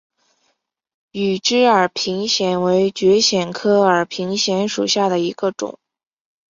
羽枝耳平藓为蕨藓科耳平藓属下的一个种。